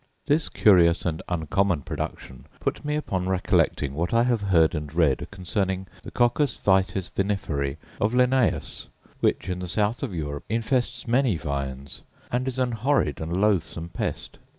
This curious and uncommon production put me upon recollecting what I have heard and read concerning the coccus vitis viniferae of Linnaeus, which, in the South of Europe, infests many vines, and is an horrid and loathsome pest.